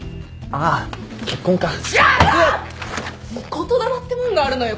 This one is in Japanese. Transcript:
言霊ってもんがあるのよ